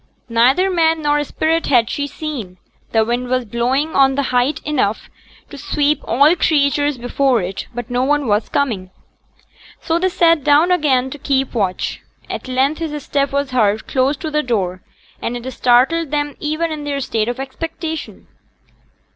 Neither man nor spirit had she seen; the wind was blowing on the height enough to sweep all creatures before it; but no one was coming. So they sate down again to keep watch. At length his step was heard close to the door; and it startled them even in their state of expectation.